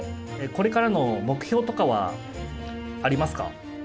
これからの目標とかはありますか。